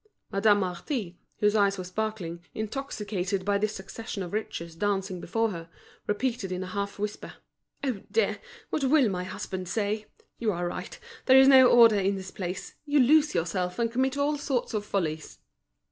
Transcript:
Madame Marty, whose eyes were sparkling, intoxicated by this succession of riches dancing before her, repeated in a half whisper: "Oh, dear! What will my husband say? You are right, there is no order in this place. You lose yourself, and commit all sorts of follies."